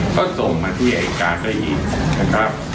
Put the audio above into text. ก็ส่งมาที่ไอ้กาศาอีกนะครับ